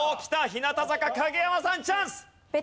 日向坂影山さんチャンス！